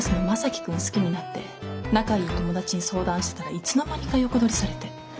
好きになって仲いい友達に相談してたらいつの間にか横取りされて。